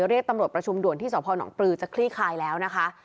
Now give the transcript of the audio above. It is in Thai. เรียกตำรวจประชุมด่วนที่สพนปลือจะคลี่คลายแล้วนะคะ